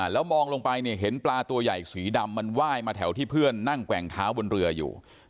แล้วมองลงไปเนี่ยเห็นปลาตัวใหญ่สีดำมันไหว้มาแถวที่เพื่อนนั่งแกว่งเท้าบนเรืออยู่